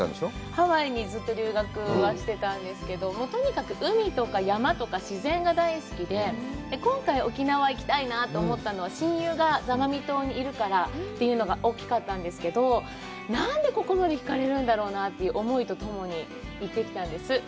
ハワイにずっと留学はしてたんですけどもともと海とか山とか自然が大好きで、今回、沖縄に行きたいなと思ったのは、親友が座間味島にいるからというのが大きかったんですけれども、何でここまで引かれるんだろうなぁという思いとともに行ってきたんです。